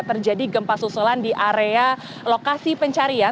terjadi gempas usulan di area lokasi pencarian